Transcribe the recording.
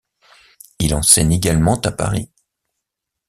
Il enseigne également à Paris.